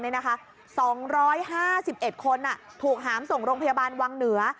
สองร้อยห้าสิบเอ็ดคนอ่ะถูกหามส่งโรงพยาบาลวังเหนือ